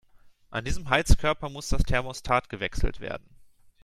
An diesem Heizkörper muss das Thermostat gewechselt werden.